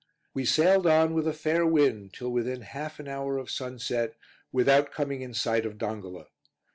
We sailed on with a fair wind till within half an hour of sunset, without coming in sight of Dongola.